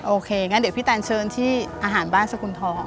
โอเคงั้นเดี๋ยวพี่แตนเชิญที่อาหารบ้านสกุลทอง